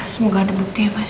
semoga ada bukti ya mas